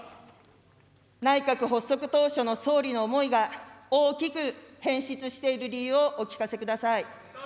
内閣発足当初の総理の思いが、大きく変質している理由をお聞かせください。